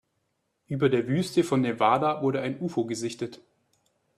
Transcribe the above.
Über der Wüste von Nevada wurde ein Ufo gesichtet.